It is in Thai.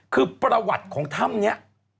คือประวัติของถ้ำนี้